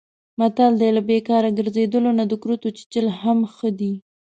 متل دی: له بیکاره ګرځېدلو نه د کورتو چیچل هم ښه دي.